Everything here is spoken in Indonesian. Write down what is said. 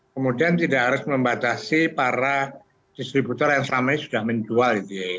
kemudian tidak harus membatasi para distributor yang selama ini sudah menjual